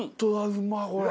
うまっこれ！